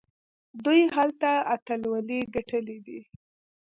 دوی هلته اتلولۍ ګټلي دي.